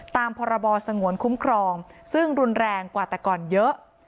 ตามพรบสงวนคุ้มครองซึ่งรุนแรงกว่าแต่ก่อนเยอะ